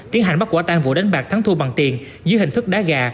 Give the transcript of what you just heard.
tiến hành bắt quả tan vụ đánh bạc thắng thu bằng tiền dưới hình thức đá gà